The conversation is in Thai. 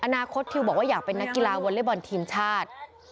อนาคตทิวบอกว่าอยากเป็นนักกีฬาวอเล็กบอลทีมชาติ